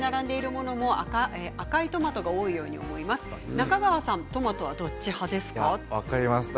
中川さんトマトはどっち派ですかということです。